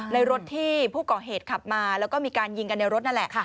รถที่ผู้ก่อเหตุขับมาแล้วก็มีการยิงกันในรถนั่นแหละ